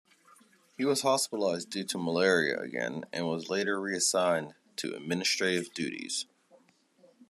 He was hospitalised due to malaria again, and was later reassigned to administrative duties.